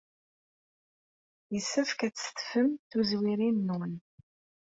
Yessefk ad tsettfem tuzwirin-nwen.